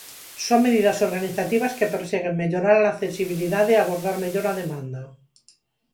Son medidas organizativas que perseguen mellorar a accesibilidade e abordar mellor a demanda.